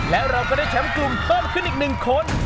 แล้วเราก็ได้แชมป์กลุ่มถอดขึ้นอีกนิดหนึ่งคน